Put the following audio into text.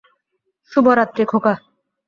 শুভরাত্রি, খোকা।